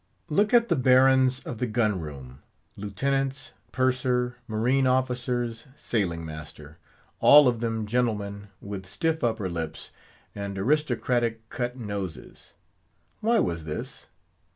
Look at the barons of the gun room—Lieutenants, Purser, Marine officers, Sailing master—all of them gentlemen with stiff upper lips, and aristocratic cut noses. Why was this?